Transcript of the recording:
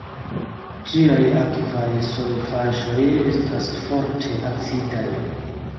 Ĝiaj akvaj solvaĵoj estas forte acidaj.